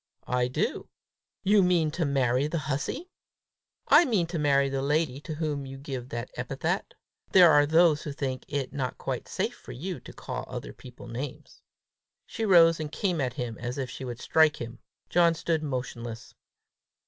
"I do." "You mean to marry the hussy?" "I mean to marry the lady to whom you give that epithet. There are those who think it not quite safe for you to call other people names!" She rose and came at him as if she would strike him. John stood motionless.